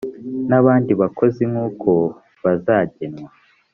n abandi bakozi nkuko bazagenwa